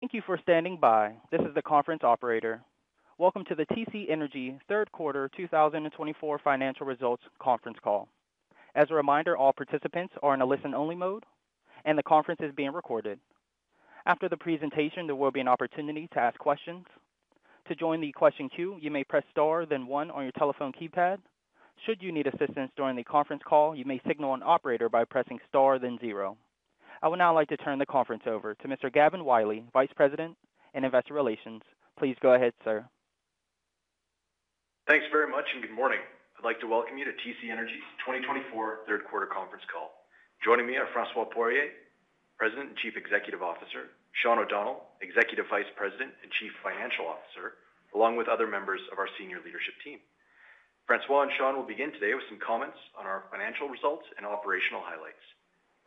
Thank you for standing by. This is the conference operator. Welcome to the TC Energy Third Quarter 2024 Financial Results Conference Call. As a reminder, all participants are in a listen-only mode, and the conference is being recorded. After the presentation, there will be an opportunity to ask questions. To join the question queue, you may press star then one on your telephone keypad. Should you need assistance during the conference call, you may signal an operator by pressing star then zero. I would now like to turn the conference over to Mr. Gavin Wylie, Vice President and Investor Relations. Please go ahead, sir. Thanks very much and good morning. I'd like to welcome you to TC Energy's 2024 Third Quarter Conference Call. Joining me are François Poirier, President and Chief Executive Officer, Sean O'Donnell, Executive Vice President and Chief Financial Officer, along with other members of our senior leadership team. François and Sean will begin today with some comments on our financial results and operational highlights.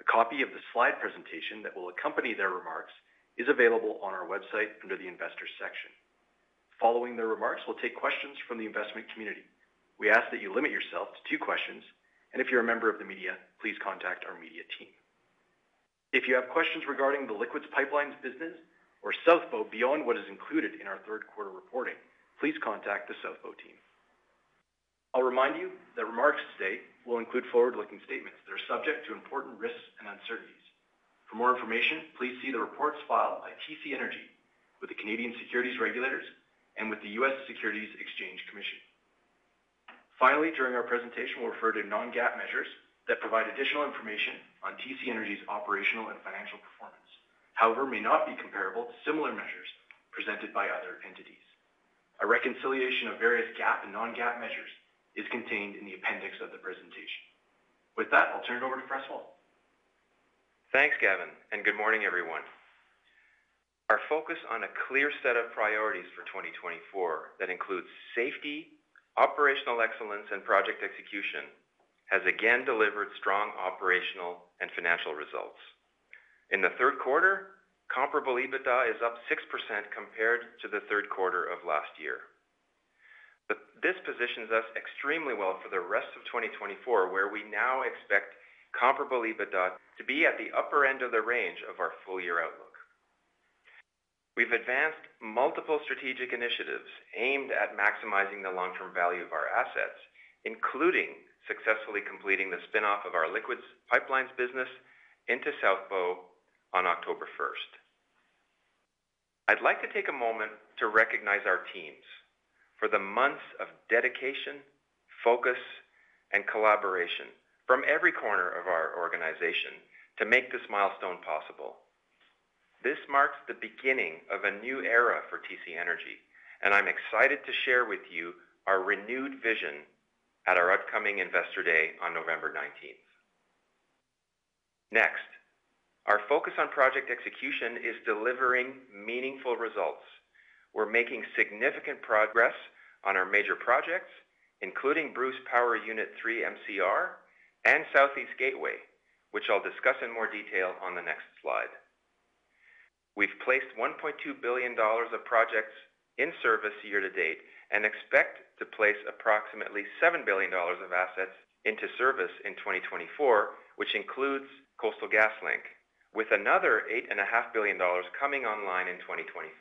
A copy of the slide presentation that will accompany their remarks is available on our website under the Investors section. Following their remarks, we'll take questions from the investment community. We ask that you limit yourself to two questions, and if you're a member of the media, please contact our media team. If you have questions regarding the Liquids Pipelines business or South Bow beyond what is included in our third quarter reporting, please contact the South Bow team. I'll remind you that remarks today will include forward-looking statements that are subject to important risks and uncertainties. For more information, please see the reports filed by TC Energy with the Canadian Securities Administrators and with the U.S. Securities and Exchange Commission. Finally, during our presentation, we'll refer to non-GAAP measures that provide additional information on TC Energy's operational and financial performance, however, may not be comparable to similar measures presented by other entities. A reconciliation of various GAAP and non-GAAP measures is contained in the appendix of the presentation. With that, I'll turn it over to François. Thanks, Gavin, and good morning, everyone. Our focus on a clear set of priorities for 2024 that includes safety, operational excellence, and project execution has again delivered strong operational and financial results. In the third quarter, comparable EBITDA is up 6% compared to the third quarter of last year. This positions us extremely well for the rest of 2024, where we now expect comparable EBITDA to be at the upper end of the range of our full-year outlook. We've advanced multiple strategic initiatives aimed at maximizing the long-term value of our assets, including successfully completing the spinoff of our Liquids Pipelines business into South Bow on October 1st. I'd like to take a moment to recognize our teams for the months of dedication, focus, and collaboration from every corner of our organization to make this milestone possible. This marks the beginning of a new era for TC Energy, and I'm excited to share with you our renewed vision at our upcoming Investor Day on November 19th. Next, our focus on project execution is delivering meaningful results. We're making significant progress on our major projects, including Bruce Power Unit 3 MCR and Southeast Gateway, which I'll discuss in more detail on the next slide. We've placed $1.2 billion of projects in service year to date and expect to place approximately $7 billion of assets into service in 2024, which includes Coastal GasLink, with another $8.5 billion coming online in 2025.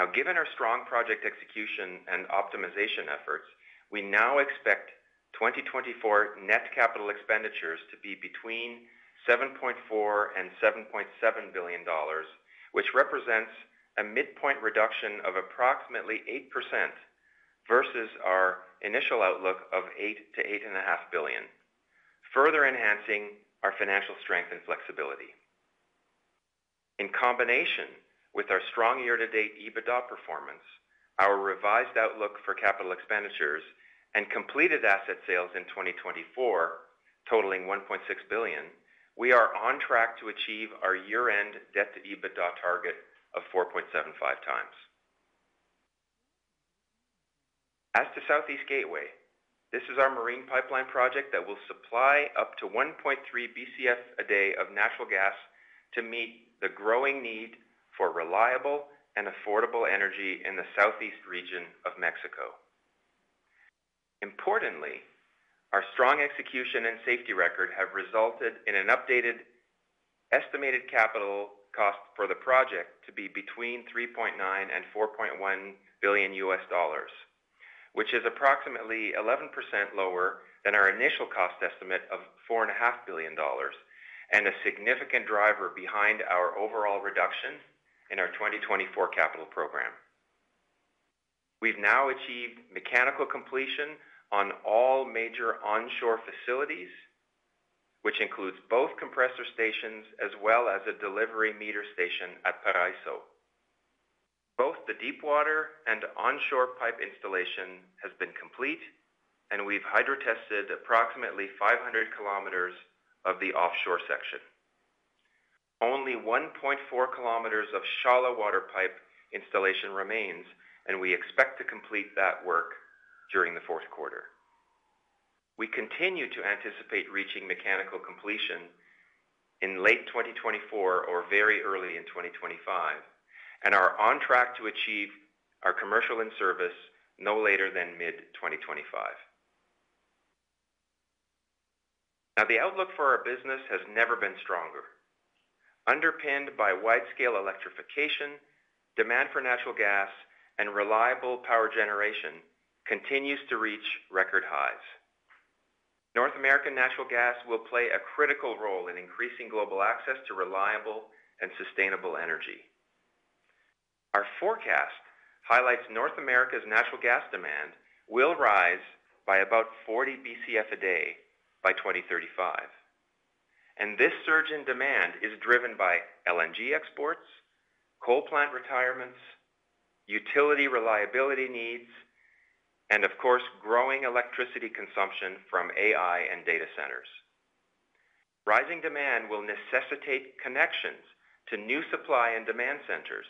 Now, given our strong project execution and optimization efforts, we now expect 2024 net capital expenditures to be between $7.4 billion-$7.7 billion, which represents a midpoint reduction of approximately 8% versus our initial outlook of $8 billion-$8.5 billion, further enhancing our financial strength and flexibility. In combination with our strong year-to-date EBITDA performance, our revised outlook for capital expenditures, and completed asset sales in 2024 totaling $1.6 billion, we are on track to achieve our year-end debt-to-EBITDA target of 4.75 times. As to Southeast Gateway, this is our marine pipeline project that will supply up to 1.3 Bcf/d of natural gas to meet the growing need for reliable and affordable energy in the Southeast Region of Mexico. Importantly, our strong execution and safety record have resulted in an updated estimated capital cost for the project to be between $3.9 billion-$4.1 billion, which is approximately 11% lower than our initial cost estimate of $4.5 billion and a significant driver behind our overall reduction in our 2024 capital program. We've now achieved mechanical completion on all major onshore facilities, which includes both compressor stations as well as a delivery meter station at Paraíso. Both the deep water and onshore pipe installation has been complete, and we've hydro-tested approximately 500 km of the offshore section. Only 1.4 km of shallow water pipe installation remains, and we expect to complete that work during the fourth quarter. We continue to anticipate reaching mechanical completion in late 2024 or very early in 2025, and are on track to achieve our commercial in-service no later than mid-2025. Now, the outlook for our business has never been stronger. Underpinned by wide-scale electrification, demand for natural gas, and reliable power generation continues to reach record highs. North American natural gas will play a critical role in increasing global access to reliable and sustainable energy. Our forecast highlights North America's natural gas demand will rise by about 40 Bcf/d by 2035, and this surge in demand is driven by LNG exports, coal plant retirements, utility reliability needs, and, of course, growing electricity consumption from AI and data centers. Rising demand will necessitate connections to new supply and demand centers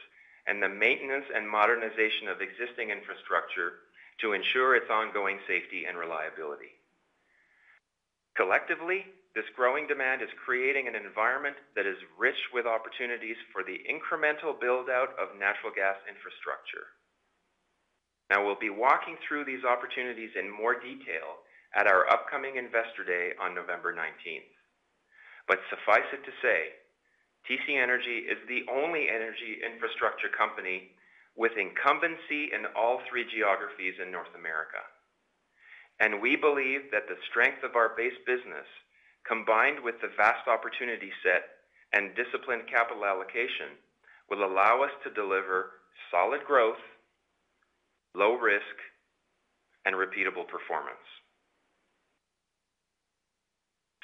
and the maintenance and modernization of existing infrastructure to ensure its ongoing safety and reliability. Collectively, this growing demand is creating an environment that is rich with opportunities for the incremental build-out of natural gas infrastructure. Now, we'll be walking through these opportunities in more detail at our upcoming Investor Day on November 19th, but suffice it to say, TC Energy is the only energy infrastructure company with incumbency in all three geographies in North America. We believe that the strength of our base business, combined with the vast opportunity set and disciplined capital allocation, will allow us to deliver solid growth, low risk, and repeatable performance.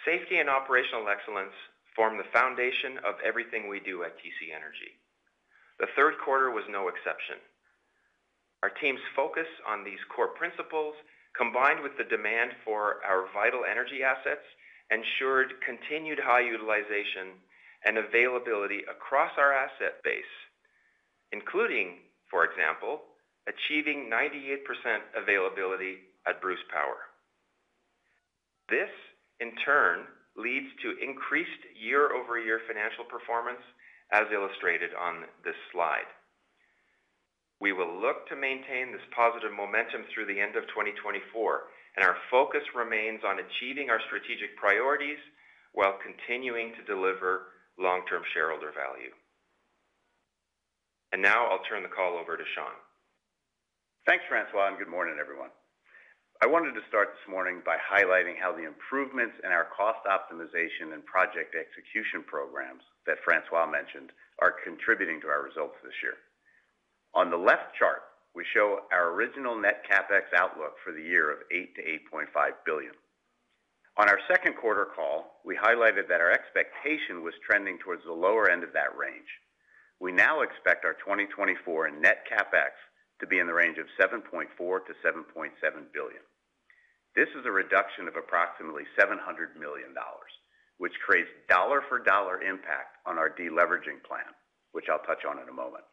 Safety and operational excellence form the foundation of everything we do at TC Energy. The third quarter was no exception. Our team's focus on these core principles, combined with the demand for our vital energy assets, ensured continued high utilization and availability across our asset base, including, for example, achieving 98% availability at Bruce Power. This, in turn, leads to increased year-over-year financial performance, as illustrated on this slide. We will look to maintain this positive momentum through the end of 2024, and our focus remains on achieving our strategic priorities while continuing to deliver long-term shareholder value. Now I'll turn the call over to Sean. Thanks, François, and good morning, everyone. I wanted to start this morning by highlighting how the improvements in our cost optimization and project execution programs that François mentioned are contributing to our results this year. On the left chart, we show our original net CapEx outlook for the year of $8 billion-$8.5 billion. On our second quarter call, we highlighted that our expectation was trending towards the lower end of that range. We now expect our 2024 net CapEx to be in the range of $7.4 billion-$7.7 billion. This is a reduction of approximately $700 million, which creates dollar-for-dollar impact on our deleveraging plan, which I'll touch on in a moment.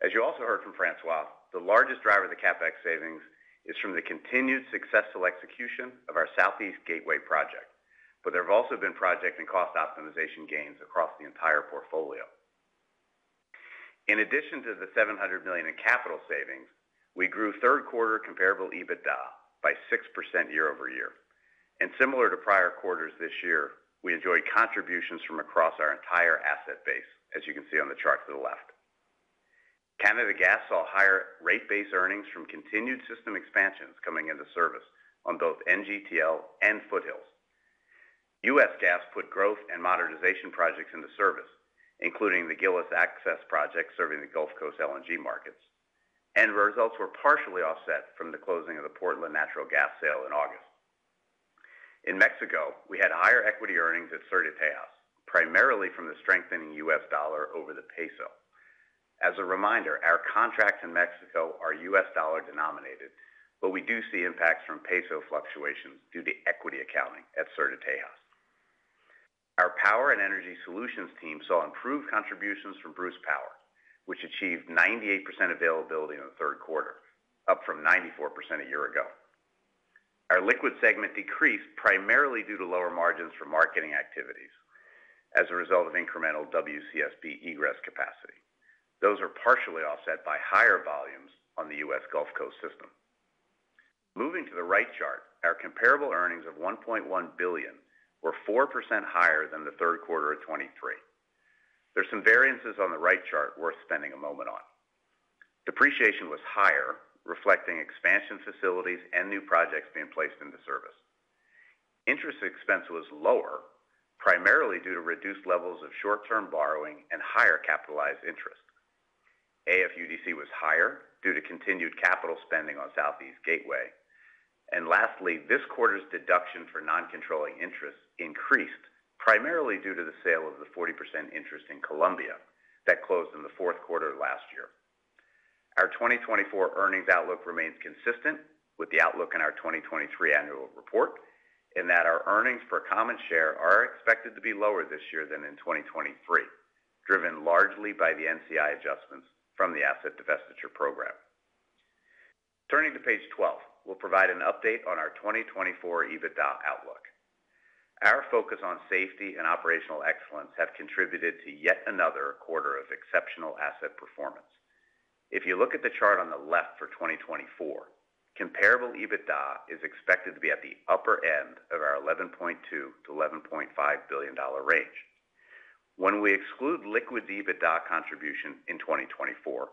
As you also heard from François, the largest driver of the CapEx savings is from the continued successful execution of our Southeast Gateway project, but there have also been project and cost optimization gains across the entire portfolio. In addition to the $700 million in capital savings, we grew third quarter comparable EBITDA by 6% year-over-year. And similar to prior quarters this year, we enjoyed contributions from across our entire asset base, as you can see on the chart to the left. Canada Gas saw higher rate-based earnings from continued system expansions coming into service on both NGTL and Foothills. U.S. Gas put growth and modernization projects into service, including the Gillis Access Project serving the Gulf Coast LNG markets. And results were partially offset from the closing of the Portland Natural Gas sale in August. In Mexico, we had higher equity earnings at Sur de Texas, primarily from the strengthening US dollar over the peso. As a reminder, our contracts in Mexico are US dollar denominated, but we do see impacts from peso fluctuations due to equity accounting at Sur de Texas. Our Power and Energy Solutions team saw improved contributions from Bruce Power, which achieved 98% availability in the third quarter, up from 94% a year ago. Our Liquids segment decreased primarily due to lower margins for marketing activities as a result of incremental WCSB egress capacity. Those are partially offset by higher volumes on the U.S. Gulf Coast system. Moving to the right chart, our comparable earnings of $1.1 billion were 4% higher than the third quarter of 2023. There's some variances on the right chart worth spending a moment on. Depreciation was higher, reflecting expansion facilities and new projects being placed into service. Interest expense was lower, primarily due to reduced levels of short-term borrowing and higher capitalized interest. AFUDC was higher due to continued capital spending on Southeast Gateway. And lastly, this quarter's deduction for non-controlling interest increased primarily due to the sale of the 40% interest in Columbia that closed in the fourth quarter last year. Our 2024 earnings outlook remains consistent with the outlook in our 2023 annual report in that our earnings per common share are expected to be lower this year than in 2023, driven largely by the NCI adjustments from the asset divestiture program. Turning to page 12, we'll provide an update on our 2024 EBITDA outlook. Our focus on safety and operational excellence has contributed to yet another quarter of exceptional asset performance. If you look at the chart on the left for 2024, comparable EBITDA is expected to be at the upper end of our $11.2 billion-$11.5 billion range. When we exclude Liquids EBITDA contribution in 2024,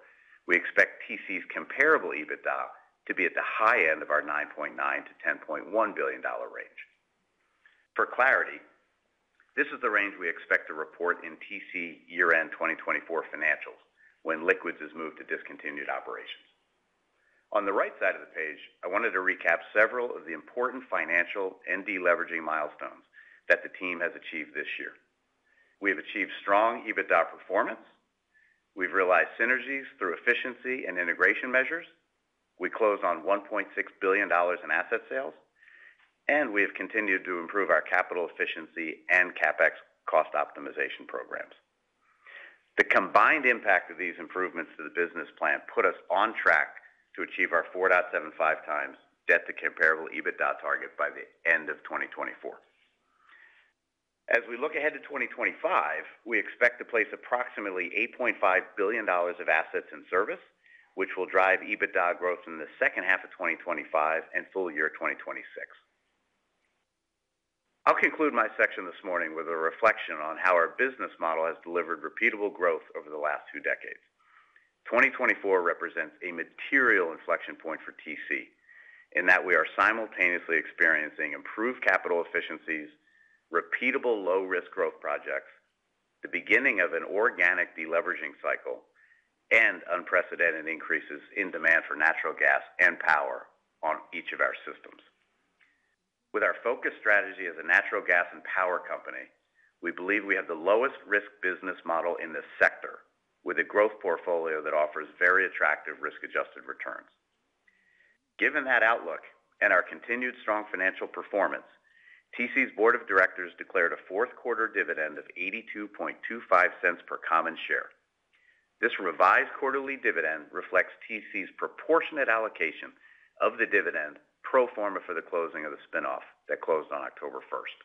we expect TC's comparable EBITDA to be at the high end of our $9.9 billion-$10.1 billion range. For clarity, this is the range we expect to report in TC year-end 2024 financials when Liquids is moved to discontinued operations. On the right side of the page, I wanted to recap several of the important financial and deleveraging milestones that the team has achieved this year. We have achieved strong EBITDA performance. We've realized synergies through efficiency and integration measures. We closed on $1.6 billion in asset sales, and we have continued to improve our capital efficiency and CapEx cost optimization programs. The combined impact of these improvements to the business plan put us on track to achieve our 4.75 times debt-to-comparable EBITDA target by the end of 2024. As we look ahead to 2025, we expect to place approximately $8.5 billion of assets in service, which will drive EBITDA growth in the second half of 2025 and full year 2026. I'll conclude my section this morning with a reflection on how our business model has delivered repeatable growth over the last two decades. 2024 represents a material inflection point for TC in that we are simultaneously experiencing improved capital efficiencies, repeatable low-risk growth projects, the beginning of an organic deleveraging cycle, and unprecedented increases in demand for natural gas and power on each of our systems. With our focus strategy as a natural gas and power company, we believe we have the lowest-risk business model in the sector with a growth portfolio that offers very attractive risk-adjusted returns. Given that outlook and our continued strong financial performance, TC's board of directors declared a fourth quarter dividend of $82.25 per common share. This revised quarterly dividend reflects TC's proportionate allocation of the dividend pro forma for the closing of the spinoff that closed on October 1st.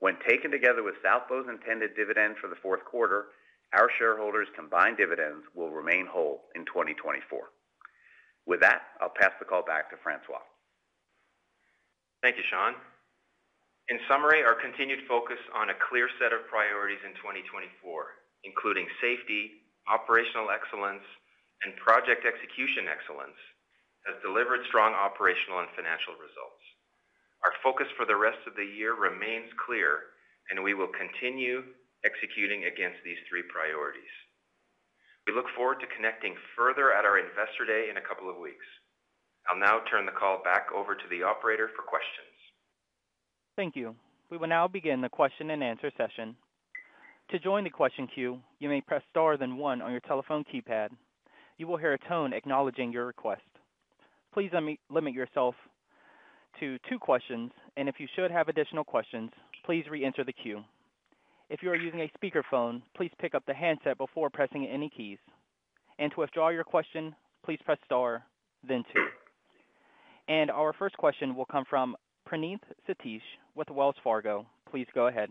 When taken together with South Bow's intended dividend for the fourth quarter, our shareholders' combined dividends will remain whole in 2024. With that, I'll pass the call back to François. Thank you, Sean. In summary, our continued focus on a clear set of priorities in 2024, including safety, operational excellence, and project execution excellence, has delivered strong operational and financial results. Our focus for the rest of the year remains clear, and we will continue executing against these three priorities. We look forward to connecting further at our Investor Day in a couple of weeks. I'll now turn the call back over to the operator for questions. Thank you. We will now begin the question and answer session. To join the question queue, you may press star then one on your telephone keypad. You will hear a tone acknowledging your request. Please limit yourself to two questions, and if you should have additional questions, please re-enter the queue. If you are using a speakerphone, please pick up the handset before pressing any keys. And to withdraw your question, please press star, then two. And our first question will come from Praneeth Satish with Wells Fargo. Please go ahead.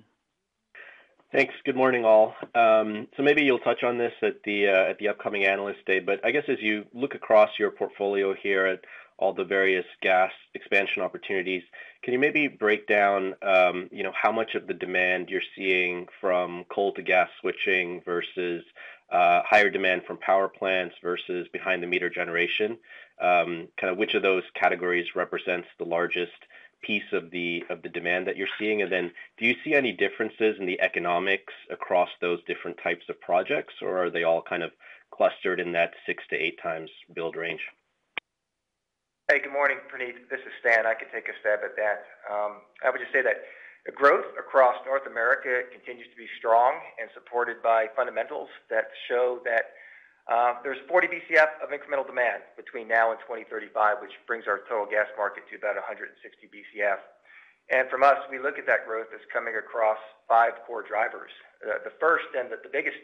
Thanks. Good morning, all. So maybe you'll touch on this at the upcoming Analyst Day, but I guess as you look across your portfolio here at all the various gas expansion opportunities, can you maybe break down how much of the demand you're seeing from coal to gas switching versus higher demand from power plants versus behind-the-meter generation? Kind of which of those categories represents the largest piece of the demand that you're seeing? And then do you see any differences in the economics across those different types of projects, or are they all kind of clustered in that six to eight times build range? Hey, good morning, Praneeth. This is Stan. I can take a stab at that. I would just say that growth across North America continues to be strong and supported by fundamentals that show that there's 40 Bcf of incremental demand between now and 2035, which brings our total gas market to about 160 Bcf. And from us, we look at that growth as coming across five core drivers. The first and the biggest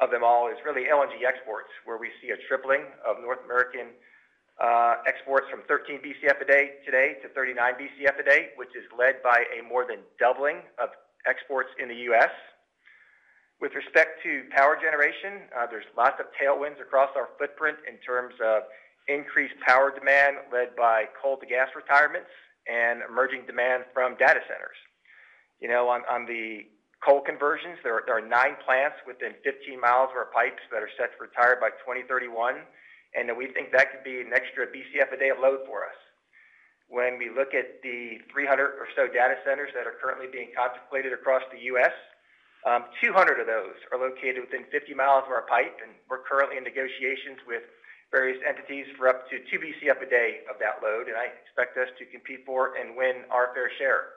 of them all is really LNG exports, where we see a tripling of North American exports from 13 Bcf/d today to 39 Bcf/d, which is led by a more than doubling of exports in the U.S. With respect to power generation, there's lots of tailwinds across our footprint in terms of increased power demand led by coal to gas retirements and emerging demand from data centers. On the coal conversions, there are nine plants within 15 miles of our pipes that are set to retire by 2031, and we think that could be an extra Bcf a day of load for us. When we look at the 300 or so data centers that are currently being contemplated across the U.S., 200 of those are located within 50 miles of our pipe, and we're currently in negotiations with various entities for up to 2 Bcf/d of that load, and I expect us to compete for and win our fair share.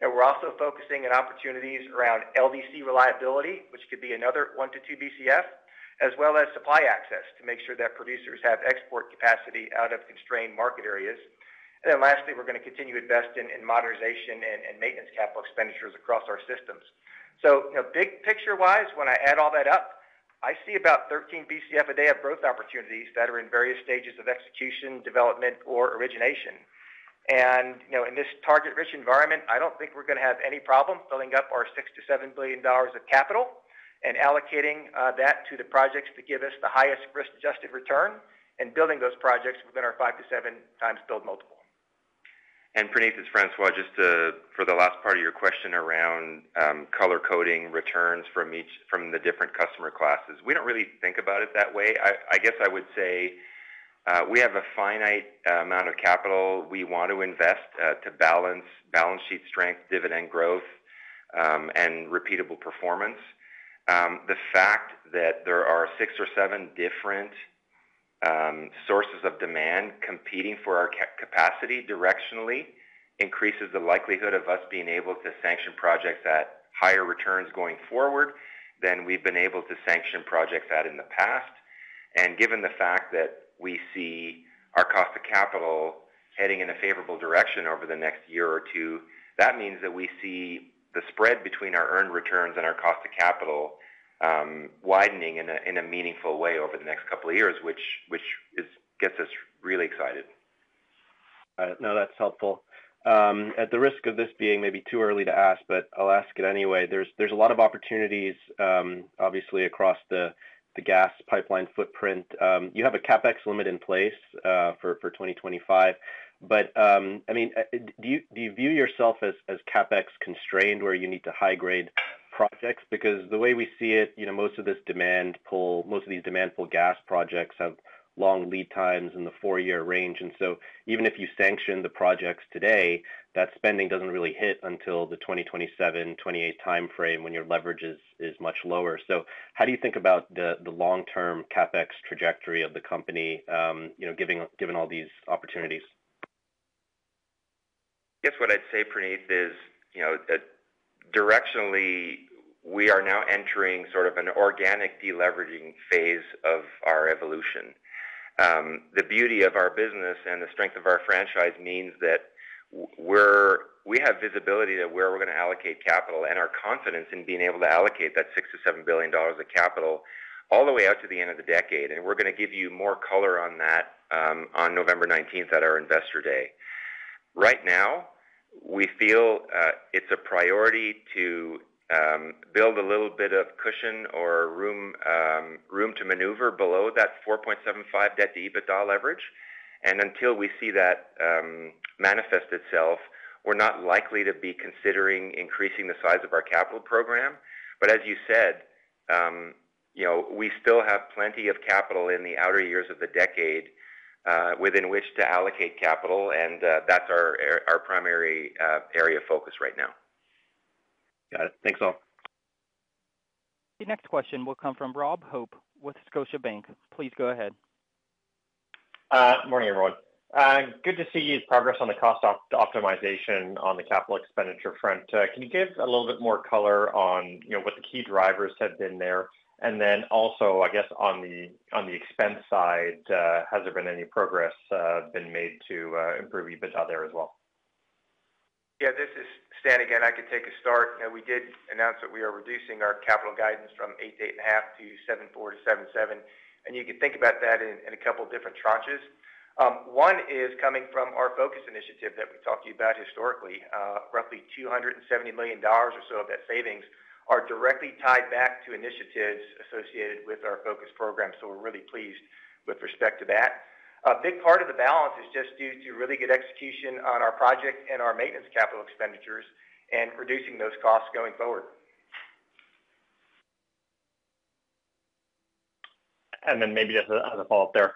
And we're also focusing on opportunities around LDC reliability, which could be another one to two Bcf, as well as supply access to make sure that producers have export capacity out of constrained market areas. And then lastly, we're going to continue investing in modernization and maintenance capital expenditures across our systems. So big picture-wise, when I add all that up, I see about 13 Bcf/d of growth opportunities that are in various stages of execution, development, or origination. And in this target-rich environment, I don't think we're going to have any problem filling up our $6 billion-$7 billion of capital and allocating that to the projects to give us the highest risk-adjusted return and building those projects within our five to seven times build multiple. Praneeth, it's François just for the last part of your question around color-coding returns from the different customer classes. We don't really think about it that way. I guess I would say we have a finite amount of capital we want to invest to balance the balance sheet strength, dividend growth, and repeatable performance. The fact that there are six or seven different sources of demand competing for our capacity directionally increases the likelihood of us being able to sanction projects at higher returns going forward than we've been able to sanction projects at in the past. Given the fact that we see our cost of capital heading in a favorable direction over the next year or two, that means that we see the spread between our earned returns and our cost of capital widening in a meaningful way over the next couple of years, which gets us really excited. No, that's helpful. At the risk of this being maybe too early to ask, but I'll ask it anyway. There's a lot of opportunities, obviously, across the gas pipeline footprint. You have a CapEx limit in place for 2025, but I mean, do you view yourself as CapEx constrained, where you need to high-grade projects? Because the way we see it, most of this demand pull, most of these demand pull gas projects have long lead times in the four-year range. And so even if you sanction the projects today, that spending doesn't really hit until the 2027, 2028 timeframe when your leverage is much lower. So how do you think about the long-term CapEx trajectory of the company given all these opportunities? Guess what I'd say, Praneeth, is directionally, we are now entering sort of an organic deleveraging phase of our evolution. The beauty of our business and the strength of our franchise means that we have visibility of where we're going to allocate capital and our confidence in being able to allocate that $6 billion-$7 billion of capital all the way out to the end of the decade. We're going to give you more color on that on November 19th at our Investor Day. Right now, we feel it's a priority to build a little bit of cushion or room to maneuver below that 4.75 debt-to-EBITDA leverage. Until we see that manifest itself, we're not likely to be considering increasing the size of our capital program. As you said, we still have plenty of capital in the outer years of the decade within which to allocate capital, and that's our primary area of focus right now. Got it. Thanks, all. The next question will come from Rob Hope with Scotiabank. Please go ahead. Good morning, everyone. Good to see your progress on the cost optimization on the capital expenditure front. Can you give a little bit more color on what the key drivers have been there? And then also, I guess, on the expense side, has there been any progress made to improve EBITDA there as well? Yeah, this is Stan again. I can take a start. We did announce that we are reducing our capital guidance from $8 billion-$8.5 billion to $7.4 billion-$7.7 billion, and you can think about that in a couple of different tranches. One is coming from our focus initiative that we talked to you about historically. Roughly $270 million or so of that savings are directly tied back to initiatives associated with our focus program, so we're really pleased with respect to that. A big part of the balance is just due to really good execution on our project and our maintenance capital expenditures and reducing those costs going forward. And then maybe just as a follow-up there,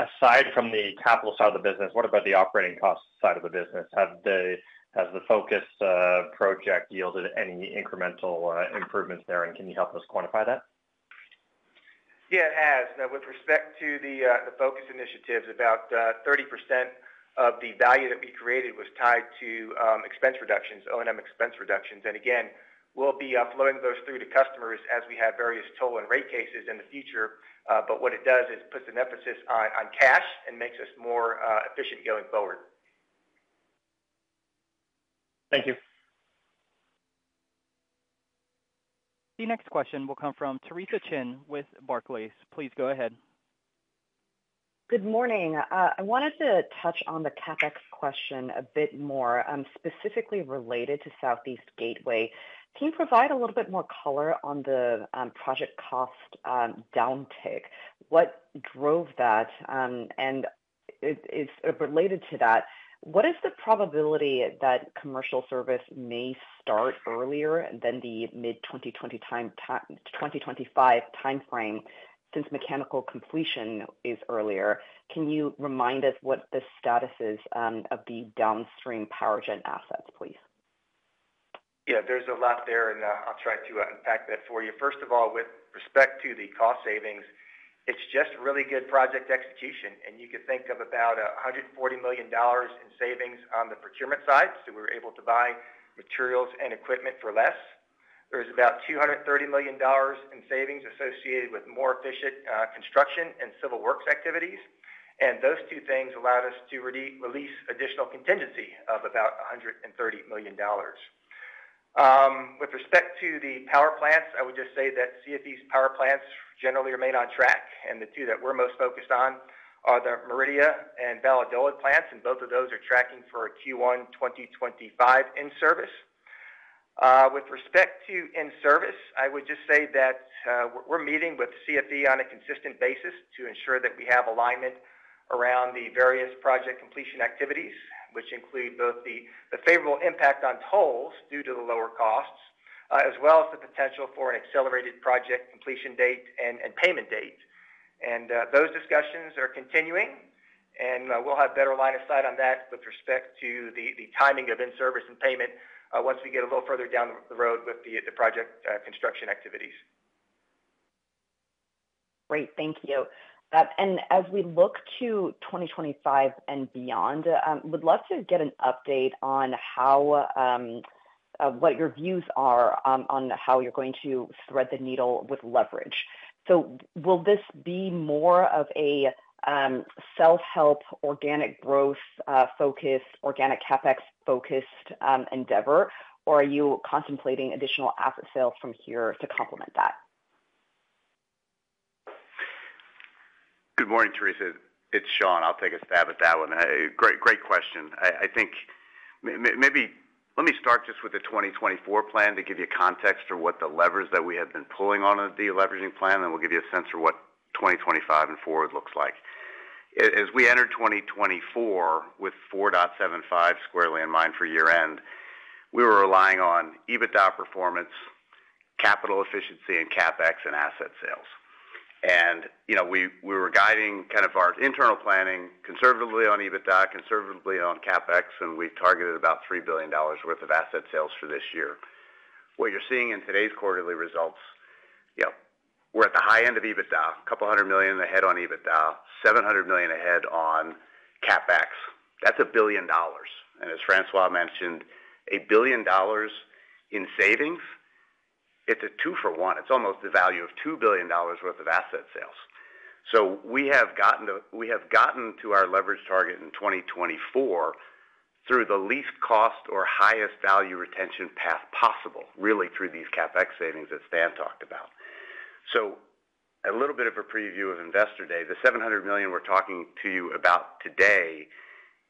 aside from the capital side of the business, what about the operating cost side of the business? Has the focus project yielded any incremental improvements there? And can you help us quantify that? Yeah, it has. With respect to the focus initiatives, about 30% of the value that we created was tied to expense reductions, O&M expense reductions. And again, we'll be flowing those through to customers as we have various toll and rate cases in the future, but what it does is puts an emphasis on cash and makes us more efficient going forward. Thank you. The next question will come from Theresa Chen with Barclays. Please go ahead. Good morning. I wanted to touch on the CapEx question a bit more, specifically related to Southeast Gateway. Can you provide a little bit more color on the project cost downtick? What drove that? And related to that, what is the probability that commercial service may start earlier than the mid-2025 timeframe since mechanical completion is earlier? Can you remind us what the status is of the downstream power gen assets, please? Yeah, there's a lot there, and I'll try to unpack that for you. First of all, with respect to the cost savings, it's just really good project execution. And you could think of about $140 million in savings on the procurement side, so we were able to buy materials and equipment for less. There is about $230 million in savings associated with more efficient construction and civil works activities. And those two things allowed us to release additional contingency of about $130 million. With respect to the power plants, I would just say that CFE's power plants generally remain on track, and the two that we're most focused on are the Mérida and Valladolid plants, and both of those are tracking for Q1 2025 in service. With respect to in service, I would just say that we're meeting with CFE on a consistent basis to ensure that we have alignment around the various project completion activities, which include both the favorable impact on tolls due to the lower costs, as well as the potential for an accelerated project completion date and payment date, and those discussions are continuing, and we'll have better line of sight on that with respect to the timing of in service and payment once we get a little further down the road with the project construction activities. Great. Thank you, and as we look to 2025 and beyond, would love to get an update on what your views are on how you're going to thread the needle with leverage. So will this be more of a self-help, organic growth-focused, organic CapEx-focused endeavor, or are you contemplating additional asset sales from here to complement that? Good morning, Theresa. It's Sean. I'll take a stab at that one. Great question. I think maybe let me start just with the 2024 plan to give you context for what the levers that we have been pulling on the deleveraging plan, and we'll give you a sense for what 2025 and forward looks like. As we entered 2024 with 4.75x leverage for year-end, we were relying on EBITDA performance, capital efficiency, and CapEx and asset sales. We were guiding kind of our internal planning conservatively on EBITDA, conservatively on CapEx, and we targeted about $3 billion worth of asset sales for this year. What you're seeing in today's quarterly results, we're at the high end of EBITDA, a couple hundred million ahead on EBITDA, $700 million ahead on CapEx. That's $1 billion. As François mentioned, $1 billion in savings, it's a two for one. It's almost the value of $2 billion worth of asset sales. So we have gotten to our leverage target in 2024 through the least cost or highest value retention path possible, really through these CapEx savings that Stan talked about. So a little bit of a preview of Investor Day. The $700 million we're talking to you about today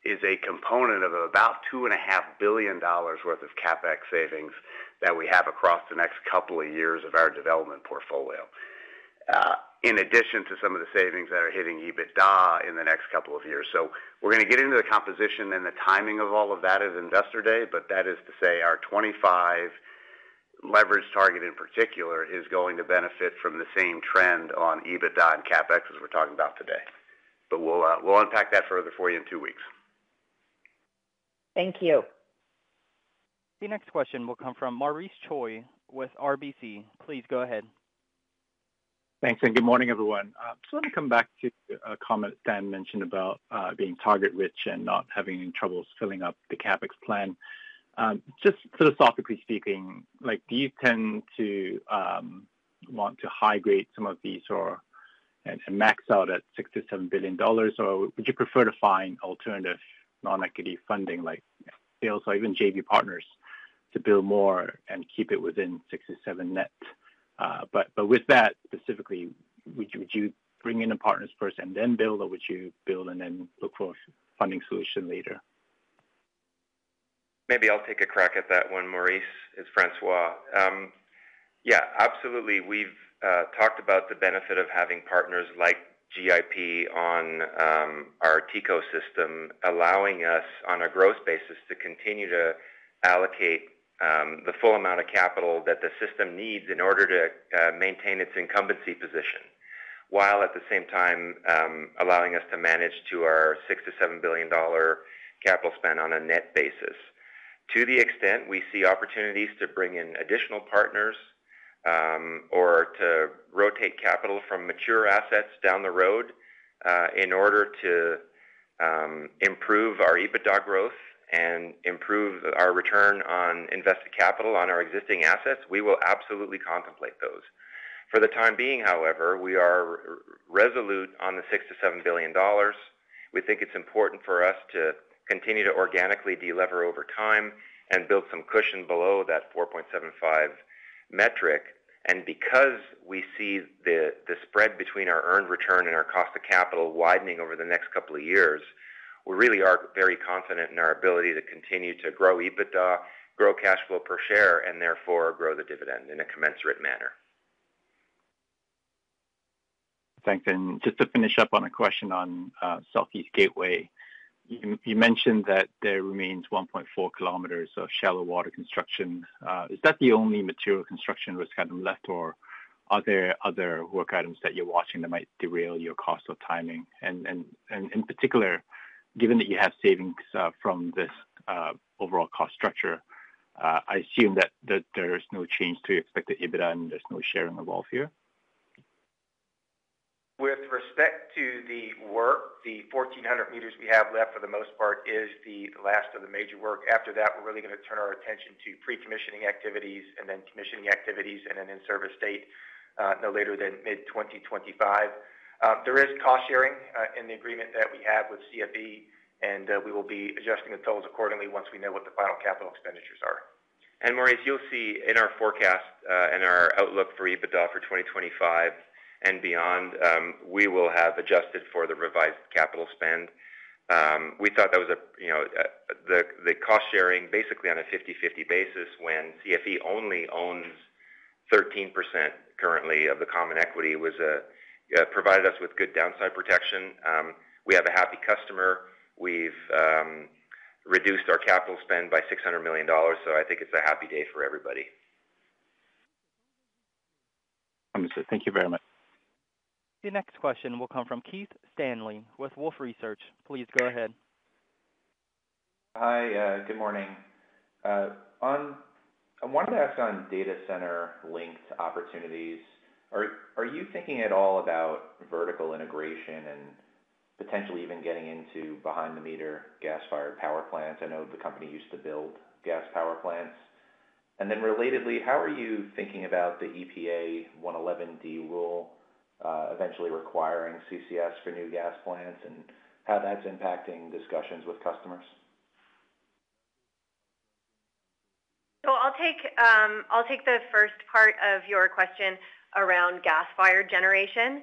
is a component of about $2.5 billion worth of CapEx savings that we have across the next couple of years of our development portfolio, in addition to some of the savings that are hitting EBITDA in the next couple of years. So we're going to get into the composition and the timing of all of that at Investor Day, but that is to say our 2025 leverage target in particular is going to benefit from the same trend on EBITDA and CapEx as we're talking about today. But we'll unpack that further for you in two weeks. Thank you. The next question will come from Maurice Choy with RBC. Please go ahead. Thanks, and good morning, everyone. I just want to come back to a comment Stan mentioned about being target-rich and not having any troubles filling up the CapEx plan. Just philosophically speaking, do you tend to want to high-grade some of these and max out at $6 billion-$7 billion, or would you prefer to find alternative non-equity funding like sales or even JV partners to build more and keep it within $6 billion-$7 billion net? But with that specifically, would you bring in a partner first and then build, or would you build and then look for a funding solution later? Maybe I'll take a crack at that one, Maurice, as François. Yeah, absolutely. We've talked about the benefit of having partners like GIP on our TCO system, allowing us on a growth basis to continue to allocate the full amount of capital that the system needs in order to maintain its incumbency position, while at the same time allowing us to manage to our $6 billion-$7 billion capital spend on a net basis. To the extent we see opportunities to bring in additional partners or to rotate capital from mature assets down the road in order to improve our EBITDA growth and improve our return on invested capital on our existing assets, we will absolutely contemplate those. For the time being, however, we are resolute on the $6 billion-$7 billion. We think it's important for us to continue to organically delever over time and build some cushion below that 4.75 metric, and because we see the spread between our earned return and our cost of capital widening over the next couple of years, we really are very confident in our ability to continue to grow EBITDA, grow cash flow per share, and therefore grow the dividend in a commensurate manner. Thanks. And just to finish up on a question on Southeast Gateway, you mentioned that there remains 1.4 kilometers of shallow water construction. Is that the only material construction risk item left, or are there other work items that you're watching that might derail your cost or timing? And in particular, given that you have savings from this overall cost structure, I assume that there is no change to expected EBITDA and there's no sharing of wealth here? With respect to the work, the 1,400 meters we have left for the most part is the last of the major work. After that, we're really going to turn our attention to pre-commissioning activities and then commissioning activities and an in-service state no later than mid-2025. There is cost sharing in the agreement that we have with CFE, and we will be adjusting the tolls accordingly once we know what the final capital expenditures are. Maurice, you'll see in our forecast and our outlook for EBITDA for 2025 and beyond, we will have adjusted for the revised capital spend. We thought that was the cost sharing basically on a 50/50 basis, when CFE only owns 13% currently of the common equity provided us with good downside protection. We have a happy customer. We've reduced our capital spend by $600 million, so I think it's a happy day for everybody. Thank you very much. The next question will come from Keith Stanley with Wolfe Research. Please go ahead. Hi, good morning. I wanted to ask on data center-linked opportunities. Are you thinking at all about vertical integration and potentially even getting into behind-the-meter gas-fired power plants? I know the company used to build gas power plants, and then relatedly, how are you thinking about the EPA 111(d) rule eventually requiring CCS for new gas plants and how that's impacting discussions with customers? I'll take the first part of your question around gas-fired generation.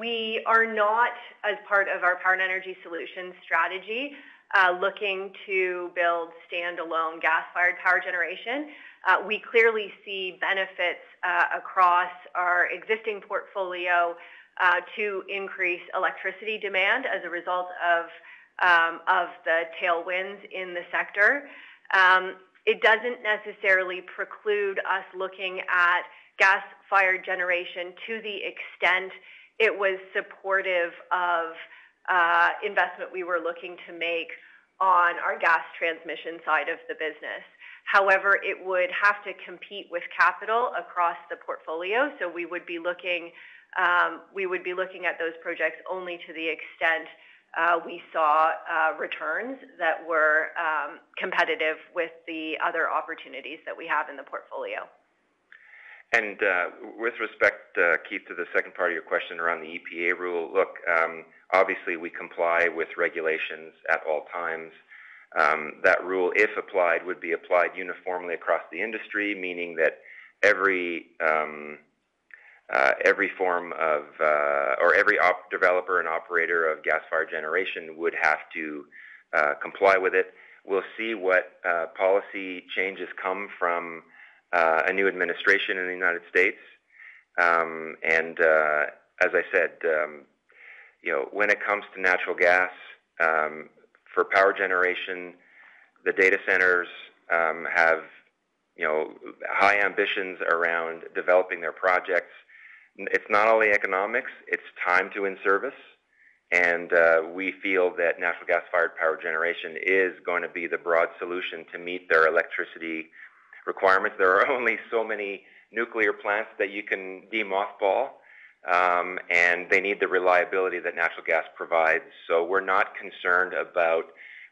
We are not, as part of our power and energy solution strategy, looking to build standalone gas-fired power generation. We clearly see benefits across our existing portfolio to increase electricity demand as a result of the tailwinds in the sector. It doesn't necessarily preclude us looking at gas-fired generation to the extent it was supportive of investment we were looking to make on our gas transmission side of the business. However, it would have to compete with capital across the portfolio, so we would be looking at those projects only to the extent we saw returns that were competitive with the other opportunities that we have in the portfolio. With respect, Keith, to the second part of your question around the EPA rule, look, obviously we comply with regulations at all times. That rule, if applied, would be applied uniformly across the industry, meaning that every form of or every developer and operator of gas-fired generation would have to comply with it. We'll see what policy changes come from a new administration in the United States. As I said, when it comes to natural gas for power generation, the data centers have high ambitions around developing their projects. It's not only economics. It's time to in-service. We feel that natural gas-fired power generation is going to be the broad solution to meet their electricity requirements. There are only so many nuclear plants that you can de-mothball, and they need the reliability that natural gas provides. We're not concerned about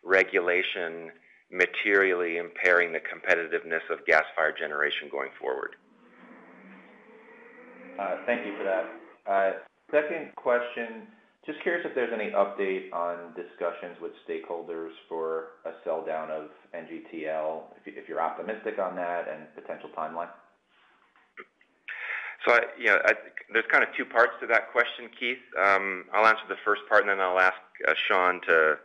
regulation materially impairing the competitiveness of gas-fired generation going forward. Thank you for that. Second question, just curious if there's any update on discussions with stakeholders for a sell-down of NGTL, if you're optimistic on that and potential timeline? So there's kind of two parts to that question, Keith. I'll answer the first part, and then I'll ask Sean to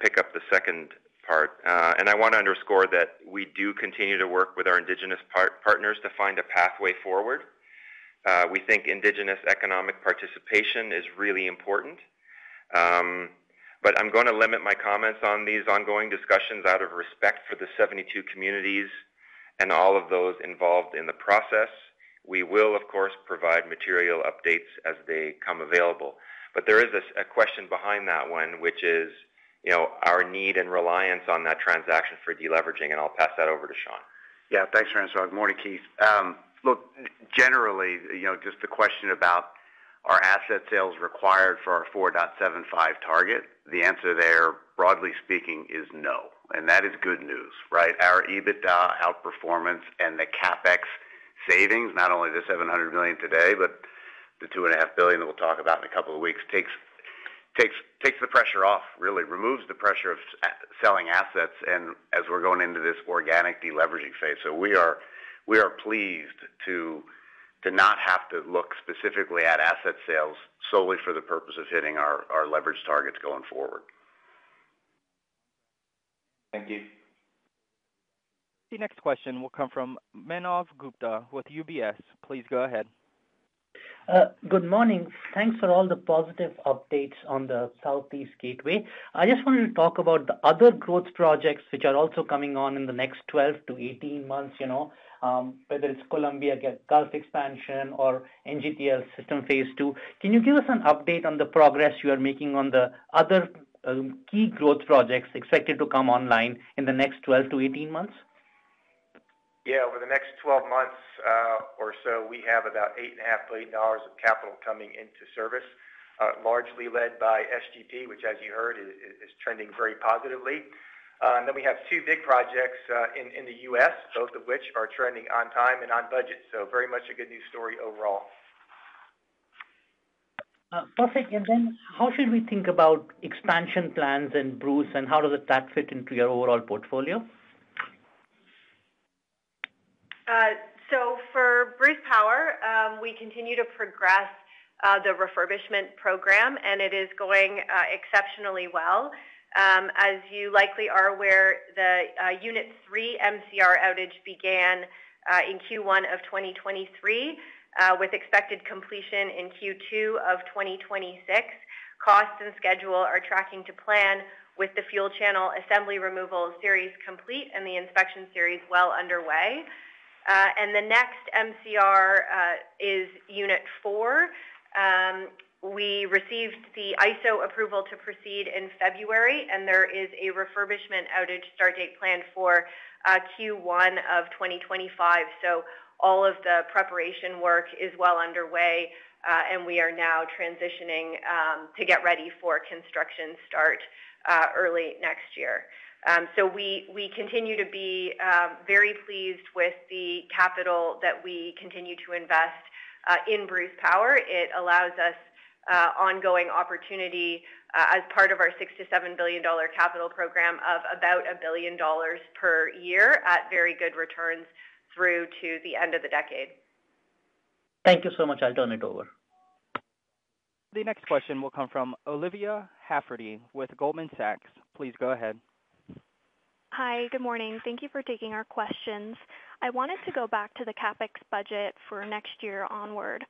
pick up the second part. And I want to underscore that we do continue to work with our Indigenous partners to find a pathway forward. We think Indigenous economic participation is really important. But I'm going to limit my comments on these ongoing discussions out of respect for the 72 communities and all of those involved in the process. We will, of course, provide material updates as they come available. But there is a question behind that one, which is our need and reliance on that transaction for deleveraging, and I'll pass that over to Sean. Yeah, thanks, François. More to Keith. Look, generally, just the question about our asset sales required for our 4.75 target, the answer there, broadly speaking, is no, and that is good news, right? Our EBITDA outperformance and the CapEx savings, not only the $700 million today, but the $2.5 billion that we'll talk about in a couple of weeks, takes the pressure off, really removes the pressure of selling assets as we're going into this organic deleveraging phase, so we are pleased to not have to look specifically at asset sales solely for the purpose of hitting our leverage targets going forward. Thank you. The next question will come from Manav Gupta with UBS. Please go ahead. Good morning. Thanks for all the positive updates on the Southeast Gateway. I just wanted to talk about the other growth projects which are also coming on in the next 12 to 18 months, whether it's Columbia Gulf expansion or NGTL System Phase 2. Can you give us an update on the progress you are making on the other key growth projects expected to come online in the next 12 to 18 months? Yeah, over the next 12 months or so, we have about $8.5 billion of capital coming into service, largely led by SGP, which, as you heard, is trending very positively. And then we have two big projects in the U.S., both of which are trending on time and on budget. So very much a good news story overall. Perfect. And then how should we think about expansion plans and Bruce, and how does that fit into your overall portfolio? For Bruce Power, we continue to progress the refurbishment program, and it is going exceptionally well. As you likely are aware, the Unit 3 MCR outage began in Q1 of 2023 with expected completion in Q2 of 2026. Cost and schedule are tracking to plan with the fuel channel assembly removal series complete and the inspection series well underway. The next MCR is Unit 4. We received the IESO approval to proceed in February, and there is a refurbishment outage start date planned for Q1 of 2025. All of the preparation work is well underway, and we are now transitioning to get ready for construction start early next year. We continue to be very pleased with the capital that we continue to invest in Bruce Power. It allows us ongoing opportunity as part of our $6 billion-$7 billion capital program of about $1 billion per year at very good returns through to the end of the decade. Thank you so much. I'll turn it over. The next question will come from Olivia Halferty with Goldman Sachs. Please go ahead. Hi, good morning. Thank you for taking our questions. I wanted to go back to the CapEx budget for next year onward.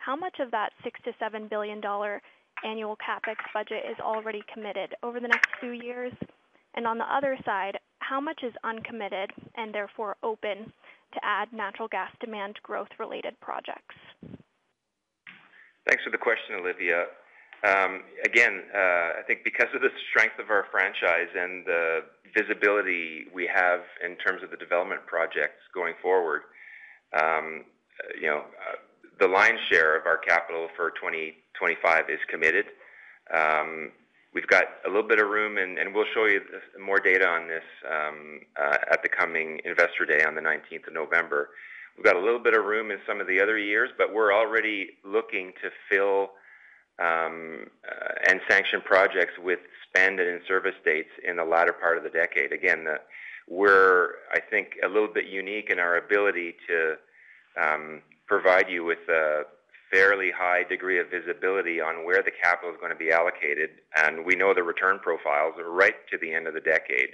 How much of that $6 billion-$7 billion annual CapEx budget is already committed over the next few years? And on the other side, how much is uncommitted and therefore open to add natural gas demand growth-related projects? Thanks for the question, Olivia. Again, I think because of the strength of our franchise and the visibility we have in terms of the development projects going forward, the lion's share of our capital for 2025 is committed. We've got a little bit of room, and we'll show you more data on this at the coming investor day on the 19th of November. We've got a little bit of room in some of the other years, but we're already looking to fill and sanction projects with spend and in-service dates in the latter part of the decade. Again, we're, I think, a little bit unique in our ability to provide you with a fairly high degree of visibility on where the capital is going to be allocated, and we know the return profiles are right to the end of the decade.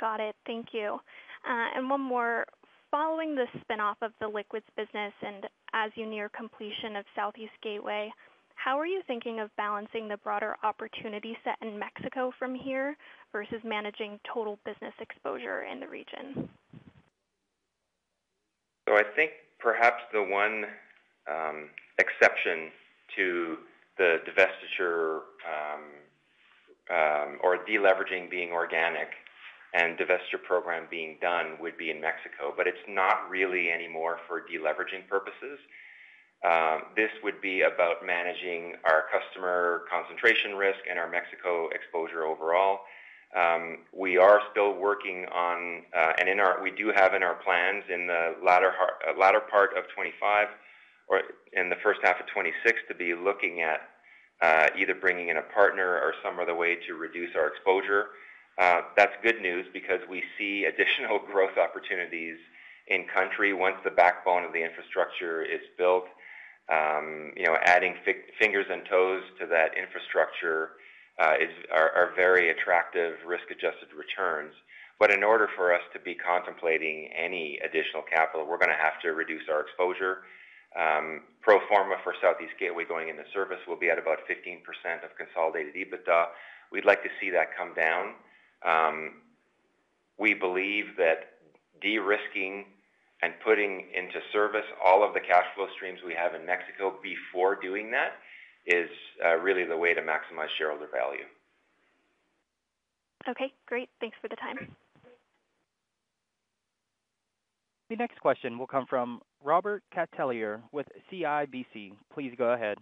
Got it. Thank you. And one more. Following the spinoff of the Liquids business and as you near completion of Southeast Gateway, how are you thinking of balancing the broader opportunity set in Mexico from here versus managing total business exposure in the region? So I think perhaps the one exception to the divestiture or deleveraging being organic and divestiture program being done would be in Mexico, but it's not really anymore for deleveraging purposes. This would be about managing our customer concentration risk and our Mexico exposure overall. We are still working on, and we do have in our plans in the latter part of 2025 or in the first half of 2026 to be looking at either bringing in a partner or some other way to reduce our exposure. That's good news because we see additional growth opportunities in country once the backbone of the infrastructure is built. Adding fingers and toes to that infrastructure are very attractive risk-adjusted returns. But in order for us to be contemplating any additional capital, we're going to have to reduce our exposure. Pro forma for Southeast Gateway going into service will be at about 15% of consolidated EBITDA. We'd like to see that come down. We believe that de-risking and putting into service all of the cash flow streams we have in Mexico before doing that is really the way to maximize shareholder value. Okay. Great. Thanks for the time. The next question will come from Robert Catellier with CIBC. Please go ahead.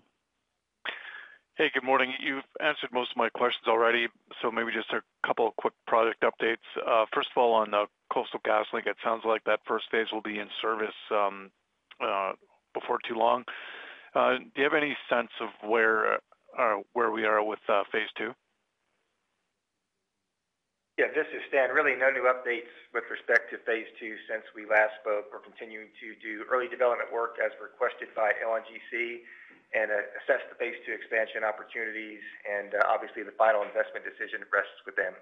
Hey, good morning. You've answered most of my questions already, so maybe just a couple of quick product updates. First of all, on the Coastal GasLink, it sounds like that first phase will be in service before too long. Do you have any sense of where we are with Phase 2? Yeah, this is Stan. Really no new updates with respect to Phase 2 since we last spoke. We're continuing to do early development work as requested by LNGC and assess the phase two expansion opportunities, and obviously the final investment decision rests with them.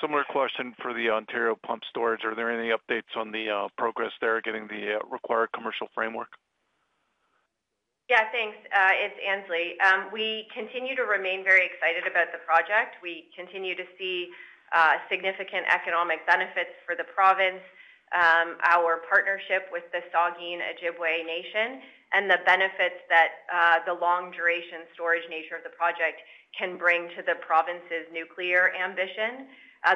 Similar question for the Ontario Pumped Storage. Are there any updates on the progress there getting the required commercial framework? Yeah, thanks. It's Annesley. We continue to remain very excited about the project. We continue to see significant economic benefits for the province, our partnership with the Saugeen Ojibway Nation, and the benefits that the long-duration storage nature of the project can bring to the province's nuclear ambition.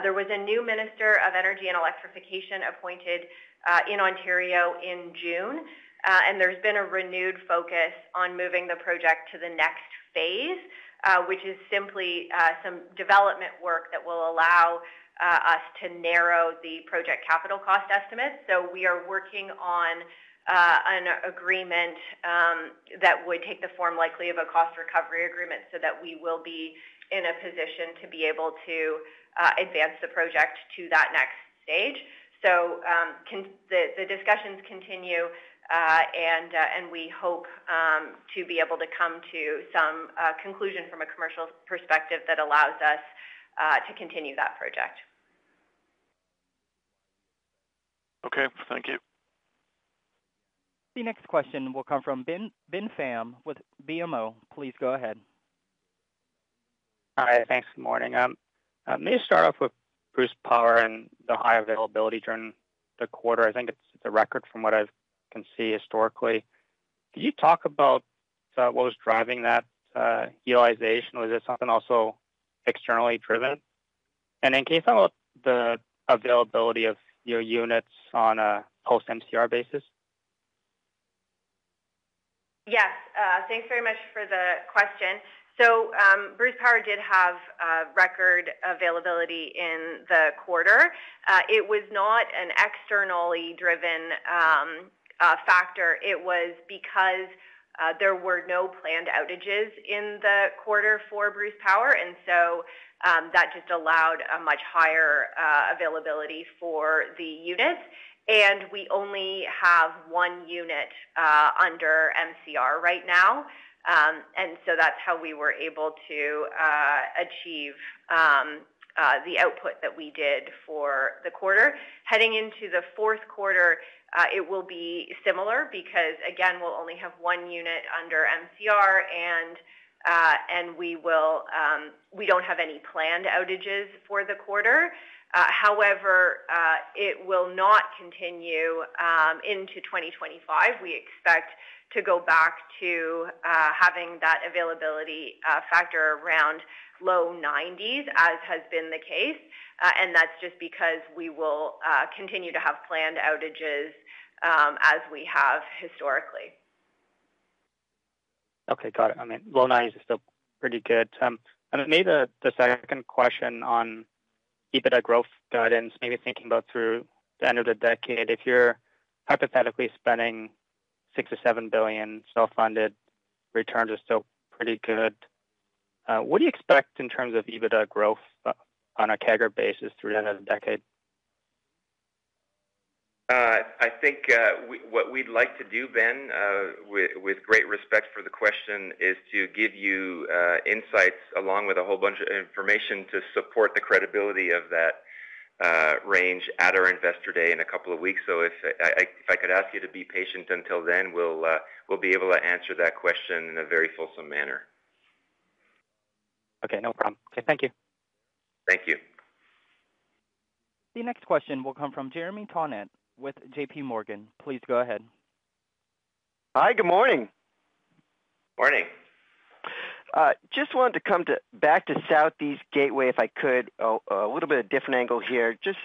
There was a new Minister of Energy and Electrification appointed in Ontario in June, and there's been a renewed focus on moving the project to the next phase, which is simply some development work that will allow us to narrow the project capital cost estimates. So we are working on an agreement that would take the form likely of a cost recovery agreement so that we will be in a position to be able to advance the project to that next stage. So the discussions continue, and we hope to be able to come to some conclusion from a commercial perspective that allows us to continue that project. Okay. Thank you. The next question will come from Ben Pham with BMO. Please go ahead. Hi. Thanks. Good morning. May I start off with Bruce Power and the high availability during the quarter? I think it's a record from what I can see historically. Can you talk about what was driving that utilization? Was it something also externally driven? And then can you talk about the availability of your units on a post-MCR basis? Yes. Thanks very much for the question. So Bruce Power did have record availability in the quarter. It was not an externally driven factor. It was because there were no planned outages in the quarter for Bruce Power, and so that just allowed a much higher availability for the units. And we only have one unit under MCR right now, and so that's how we were able to achieve the output that we did for the quarter. Heading into the fourth quarter, it will be similar because, again, we'll only have one unit under MCR, and we don't have any planned outages for the quarter. However, it will not continue into 2025. We expect to go back to having that availability factor around low 90s%, as has been the case, and that's just because we will continue to have planned outages as we have historically. Okay. Got it. I mean, low 90s% is still pretty good, and it made the second question on EBITDA growth guidance, maybe thinking about through the end of the decade, if you're hypothetically spending $6 billion-$7 billion, self-funded, returns are still pretty good. What do you expect in terms of EBITDA growth on a CAGR basis through the end of the decade? I think what we'd like to do, Ben, with great respect for the question, is to give you insights along with a whole bunch of information to support the credibility of that range at our investor day in a couple of weeks. So if I could ask you to be patient until then, we'll be able to answer that question in a very fulsome manner. Okay. No problem. Okay. Thank you. Thank you. The next question will come from Jeremy Tonet with J.P. Morgan. Please go ahead. Hi. Good morning. Morning. Just wanted to come back to Southeast Gateway if I could, a little bit of different angle here. Just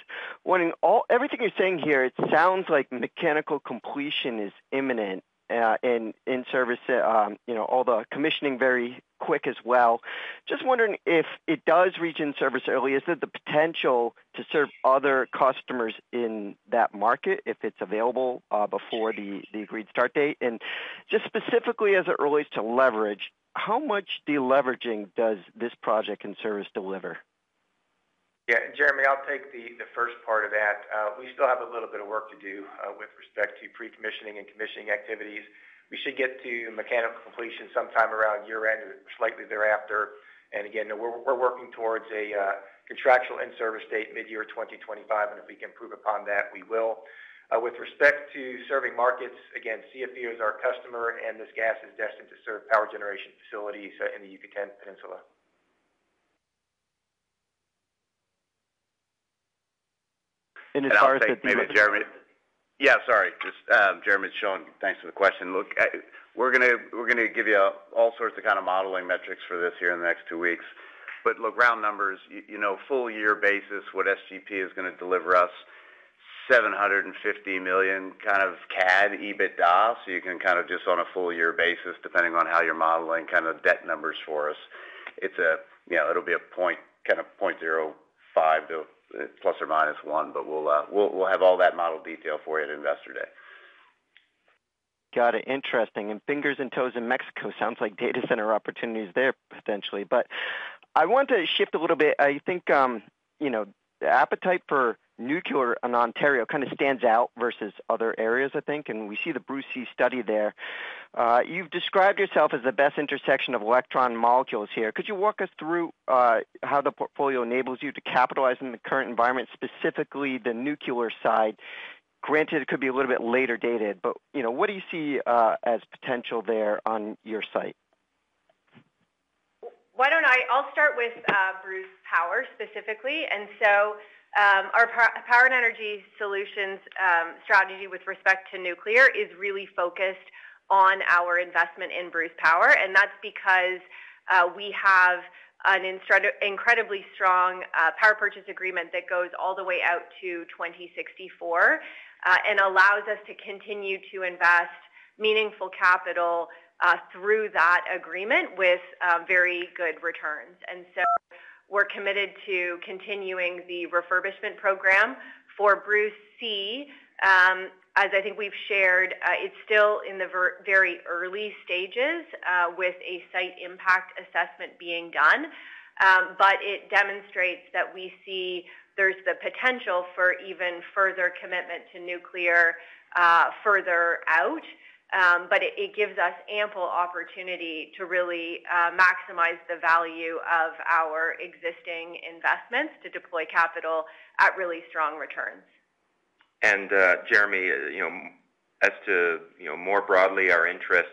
wondering, everything you're saying here, it sounds like mechanical completion is imminent in service, all the commissioning very quick as well. Just wondering if it does reach in service early, is there the potential to serve other customers in that market if it's available before the agreed start date? And just specifically as it relates to leverage, how much deleveraging does this project in service deliver? Yeah. Jeremy, I'll take the first part of that. We still have a little bit of work to do with respect to pre-commissioning and commissioning activities. We should get to mechanical completion sometime around year-end or slightly thereafter. And again, we're working towards a contractual in-service date mid-year 2025, and if we can improve upon that, we will. With respect to serving markets, again, CFE is our customer, and this gas is destined to serve power generation facilities in the Yucatán Peninsula. And as far as the. As far as the. Yeah, sorry. Jeremy, it's Sean, thanks for the question. Look, we're going to give you all sorts of kind of modeling metrics for this here in the next two weeks. But look, round numbers, full-year basis, what SGP is going to deliver us, $750 million EBITDA, so you can kind of just on a full-year basis, depending on how you're modeling, kind of debt numbers for us. It'll be a point kind of 0.05 to ±1, but we'll have all that model detail for you at Investor Day. Got it. Interesting. And fingers crossed in Mexico, sounds like data center opportunities there potentially. But I want to shift a little bit. I think the appetite for nuclear in Ontario kind of stands out versus other areas, I think, and we see the Bruce C study there. You've described yourself as the best intersection of electrons and molecules here. Could you walk us through how the portfolio enables you to capitalize in the current environment, specifically the nuclear side? Granted, it could be a little bit later dated, but what do you see as potential there on your site? Why don't I start with Bruce Power specifically. Our Power and Energy Solutions strategy with respect to nuclear is really focused on our investment in Bruce Power, and that's because we have an incredibly strong power purchase agreement that goes all the way out to 2064 and allows us to continue to invest meaningful capital through that agreement with very good returns. We're committed to continuing the refurbishment program for Bruce C. As I think we've shared, it's still in the very early stages with a site impact assessment being done, but it demonstrates that we see there's the potential for even further commitment to nuclear further out, but it gives us ample opportunity to really maximize the value of our existing investments to deploy capital at really strong returns. And Jeremy, as to more broadly our interest,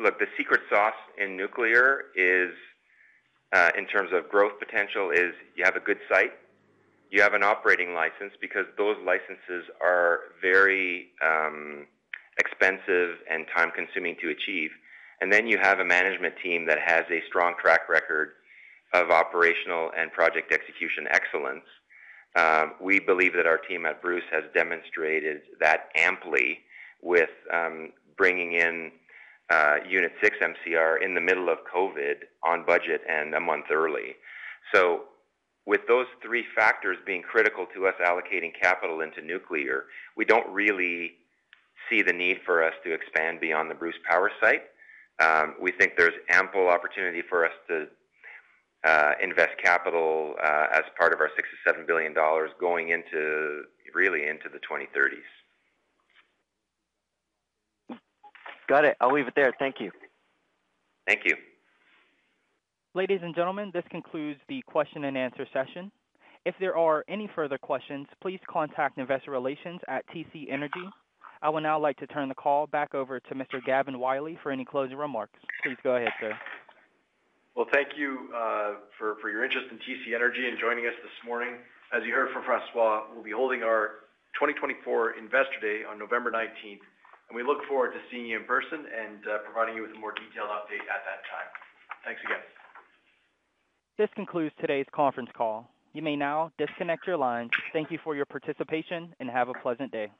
look, the secret sauce in nuclear in terms of growth potential is you have a good site, you have an operating license because those licenses are very expensive and time-consuming to achieve, and then you have a management team that has a strong track record of operational and project execution excellence. We believe that our team at Bruce has demonstrated that amply with bringing in Unit 6 MCR in the middle of COVID on budget and a month early. So with those three factors being critical to us allocating capital into nuclear, we don't really see the need for us to expand beyond the Bruce Power site. We think there's ample opportunity for us to invest capital as part of our $6 billion-$7 billion going really into the 2030s. Got it. I'll leave it there. Thank you. Thank you. Ladies and gentlemen, this concludes the question and answer session. If there are any further questions, please contact Investor Relations at TC Energy. I would now like to turn the call back over to Mr. Gavin Wylie for any closing remarks. Please go ahead, sir. Thank you for your interest in TC Energy and joining us this morning. As you heard from François, we'll be holding our 2024 Investor Day on November 19th, and we look forward to seeing you in person and providing you with a more detailed update at that time. Thanks again. This concludes today's conference call. You may now disconnect your lines. Thank you for your participation and have a pleasant day.